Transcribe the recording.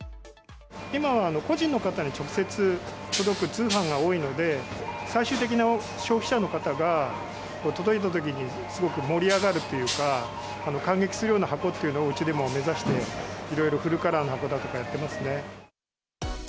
今は個人の方に直接届く通販が多いので、最終的な消費者の方が、届いたときにすごく盛り上がるっていうか、感激するような箱っていうのを、うちでも目指して、いろいろフルカラーの箱だとかやってますね。